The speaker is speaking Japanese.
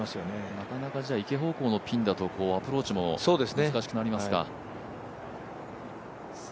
なかなか池方向のピンだとアプローチも難しくなりますか。